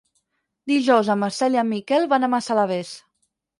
Dijous en Marcel i en Miquel van a Massalavés.